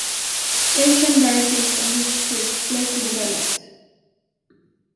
Asian varieties of these scripts later developed.